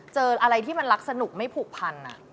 เจออะไรที่มันรักสนุกไม่ผูกพัน